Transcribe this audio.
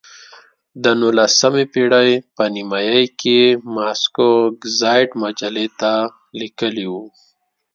د نولسمې پېړۍ په نیمایي کې یې ماسکو ګزیت مجلې ته لیکلي وو.